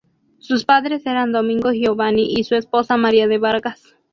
Sus padres eran Domingo Giovani y su esposa María de Vargas.